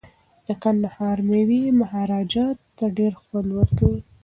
د کندهار میوې مهاراجا ته ډیر خوند ورکوي.